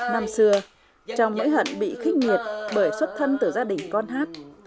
năm xưa trong nỗi hận bị khích nghiệt bởi xuất thân từ gia đình con hát